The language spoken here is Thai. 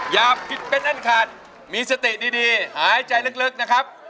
อย่าผิดเป็นอันขาดมีสติดีหายใจลึกนะครับ